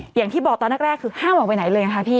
อย่างที่บอกตอนแรกคือห้ามออกไปไหนเลยนะคะพี่